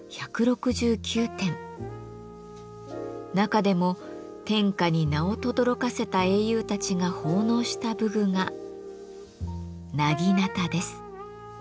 中でも天下に名をとどろかせた英雄たちが奉納した武具が薙刀です。